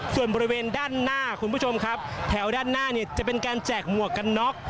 ส่วนบริเวณด้านหน้าคุณผู้ชมครับแถวด้านหน้าเนี่ยจะเป็นการแจกหมวกกันน็อก